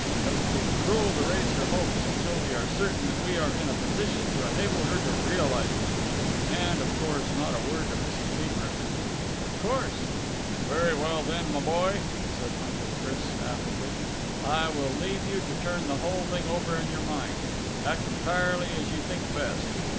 It would be cruel to raise her hopes until we are certain that we are in a position to enable her to realize them. And, of course, not a word to Mrs. Peagrim." "Of course." "Very well, then, my boy," said Uncle Chris affably. "I will leave you to turn the whole thing over in your mind. Act entirely as you think best.